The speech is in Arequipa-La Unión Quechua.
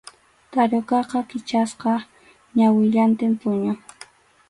Tarukaqa kichasqa ñawillantin puñun.